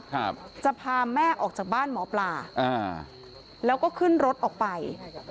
ครับจะพาแม่ออกจากบ้านหมอปลาอ่าแล้วก็ขึ้นรถออกไป